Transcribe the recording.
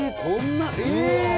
こんなええ！